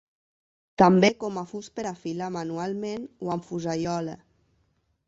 També com a fus per a filar manualment o amb fusaiola.